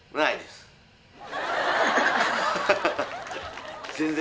ハハハ。